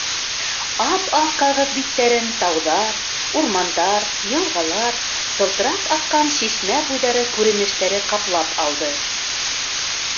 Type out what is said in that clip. Ап-аҡ ҡағыҙ биттәрен тауҙар, урмандар, йылғалар, сылтырап аҡҡан шишмә буйҙары күренештәре ҡаплап алды.